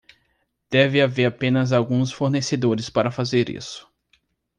Deve haver apenas alguns fornecedores para fazer isso.